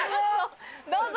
どうぞ！